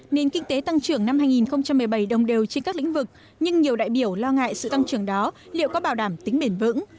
nền kinh tế tăng trưởng năm hai nghìn một mươi bảy đồng đều trên các lĩnh vực nhưng nhiều đại biểu lo ngại sự tăng trưởng đó liệu có bảo đảm tính bền vững